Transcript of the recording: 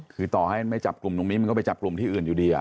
คือต่อให้ไม่จับกลุ่มตรงนี้มันก็ไปจับกลุ่มที่อื่นอยู่ดี